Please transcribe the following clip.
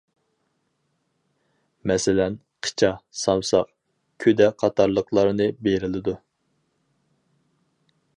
مەسىلەن: قىچا، سامساق، كۈدە قاتارلىقلارنى بېرىلىدۇ.